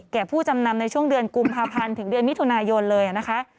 ผู้จำนำในช่วงเดือนกุมภาพันธ์ถึงเดือนมิถุนายนเลยนะคะ